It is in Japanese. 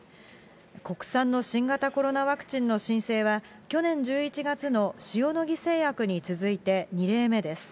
国産の新型コロナワクチンの申請は、去年１１月の塩野義製薬に続いて２例目です。